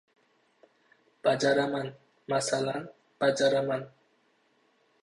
— Bajaraman, masalan, bajaraman!..